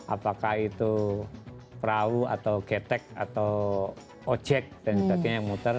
apakah itu perahu atau getek atau ojek dan sebagainya yang muter